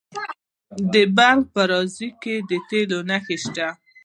د بلخ په زاري کې د تیلو نښې شته.